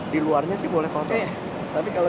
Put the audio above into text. di luarnya sih boleh kontrol